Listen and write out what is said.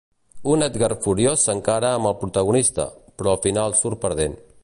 Un Edgar furiós s'encara amb el protagonista, però al final surt perdent.